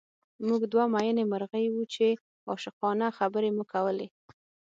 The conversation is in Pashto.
موږ دوه مئینې مرغۍ وو چې عاشقانه خبرې مو کولې